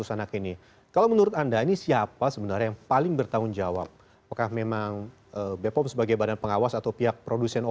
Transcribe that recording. kira kita tunggu saja nanti bagaimana nyampe informasi dari bepom dan juga dari kepolisian